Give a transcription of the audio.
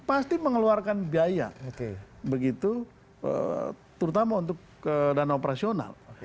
pasti mengeluarkan biaya terutama untuk ke dana operasional